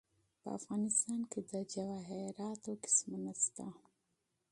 په افغانستان کې د جواهرات منابع شته.